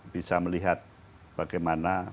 bisa melihat bagaimana